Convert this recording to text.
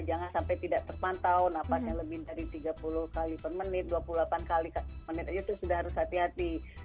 jangan sampai tidak terpantau nafasnya lebih dari tiga puluh kali per menit dua puluh delapan kali menit aja itu sudah harus hati hati